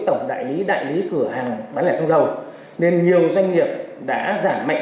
tổng đại lý đại lý cửa hàng bán lẻ xăng dầu nên nhiều doanh nghiệp đã giảm mạnh